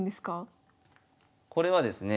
これはですねえ